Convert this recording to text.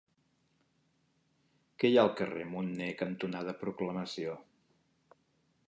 Què hi ha al carrer Munné cantonada Proclamació?